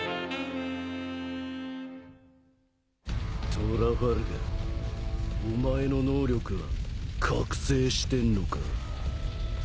トラファルガーお前の能力は覚醒してんのか？